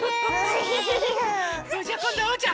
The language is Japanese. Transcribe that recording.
それじゃあこんどおうちゃん。